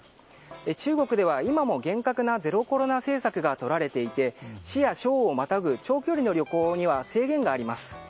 中国では今も厳格なゼロコロナ政策がとられていて、市や省をまたぐ長距離の旅行には制限があります。